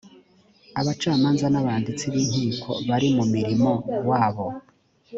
abacamanza n’ abanditsi b’ inkiko bari mu mirimo wabo